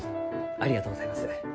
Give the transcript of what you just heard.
ありがとうございます。